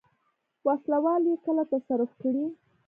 وسله وال یې کله تصرف کړي.